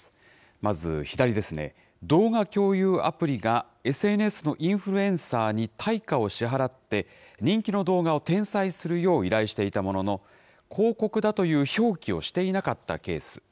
まず左ですね、動画共有アプリがＳＮＳのインフルエンサーに対価を支払って、人気の動画を転載するよう依頼していたものの、広告だという表記をしていなかったケース。